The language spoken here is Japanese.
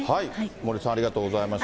森さん、ありがとうございました。